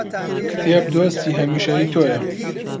کتێب دۆستی هەمیشەیی تۆیە